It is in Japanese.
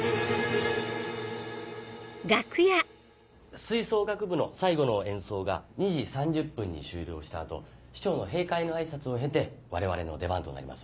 吹奏楽部の最後の演奏が２時３０分に終了した後市長の閉会のあいさつを経て我々の出番となります。